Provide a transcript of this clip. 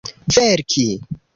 verki